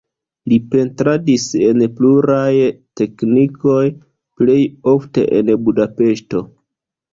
Li pentradis en pluraj teknikoj, plej ofte en Budapeŝto.